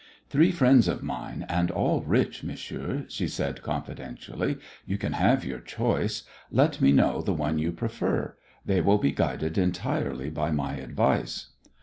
"Three friends of mine and all rich, monsieur," she said confidentially. "You can have your choice. Let me know the one you prefer. They will be guided entirely by my advice."